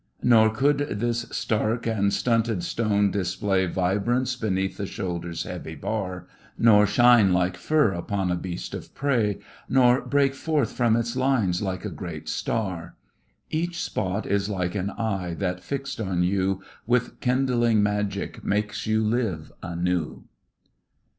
Nor could this stark and stunted stone display Vibrance beneath the shoulders' heavy bar, Nor shine like fur upon a beast of prey, Nor break forth from its lines like a great star Each spot is like an eye that fixed on you With kindling magic makes you live anew.